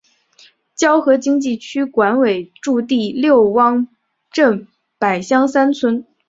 胶河经济区管委驻地六汪镇柏乡三村。